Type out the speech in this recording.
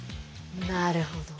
なるほど。